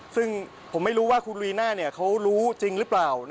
ซึ่งผมไม่รู้ว่าคุณลีน่าเขารู้จริงหรือเปล่า